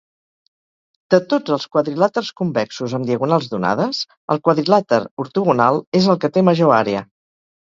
De tots els quadrilàters convexos amb diagonals donades, el quadrilàter ortogonal és el que té major àrea.